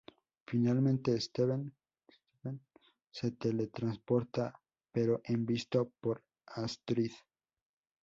Finalmente, Stephen se teletransporta pero es visto por Astrid.